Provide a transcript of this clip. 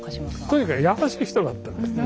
とにかく優しい人だったんですね。